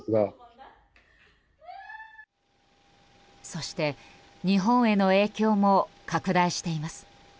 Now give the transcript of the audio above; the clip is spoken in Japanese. そして日本への影響も拡大しています。